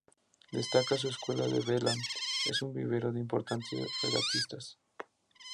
Destaca su Escuela de Vela, que es un vivero de importantes regatistas.